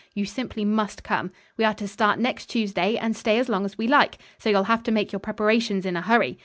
You simply must come. We are to start next Tuesday, and stay as long as we like. So you'll have to make your preparations in a hurry.